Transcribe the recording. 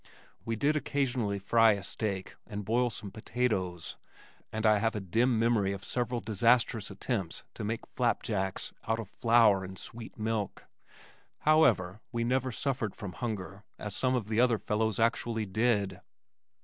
We did occasionally fry a steak and boil some potatoes, and I have a dim memory of several disastrous attempts to make flapjacks out of flour and sweet milk. However we never suffered from hunger as some of the other fellows actually did.